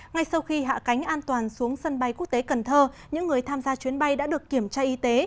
ngay sau khi hạ cánh an toàn xuống sân bay quốc tế cần thơ những người tham gia chuyến bay đã được kiểm tra y tế